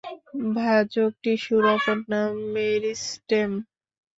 ভাজক টিস্যুর অপর নাম মেরিস্টেম।